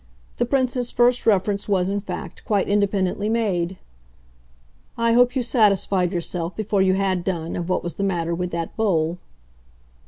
The Prince's first reference was in fact quite independently made. "I hope you satisfied yourself, before you had done, of what was the matter with that bowl."